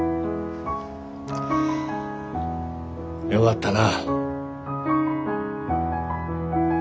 よがったな。